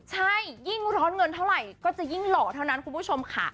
ใช่ยิ่งร้อนเงินเท่าไหร่ก็จะยิ่งหล่อเท่านั้นคุณผู้ชมค่ะ